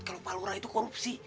kalau pak lurah itu korupsi